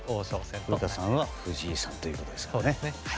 古田さんは藤井さんということですね。